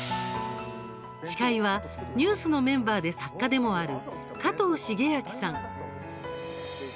司会はＮＥＷＳのメンバーで作家でもある加藤シゲアキさん。